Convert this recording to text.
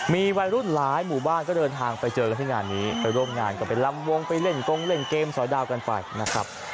มีวัยรุ่นหลายหมู่บ้านก็เดินทางไปเจอกันที่งานนี้ไปร่วมงานก็ไปลำวงไปเล่นกงเล่นเกมสอยดาวกันไปนะครับ